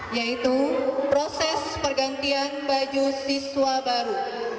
yaitu proses pergantian baju siswa baru